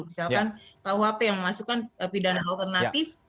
misalkan kuhp yang memasukkan pidana alternatif